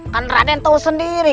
kan raden tau sendiri